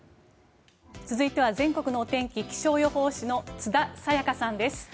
続いては全国のお天気気象予報士の津田紗矢佳さんです。